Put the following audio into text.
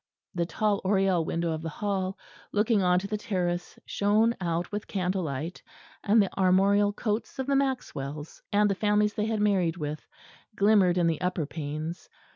The tall oriel window of the Hall looking on to the terrace shone out with candlelight; and the armorial coats of the Maxwells and the families they had married with glimmered in the upper panes.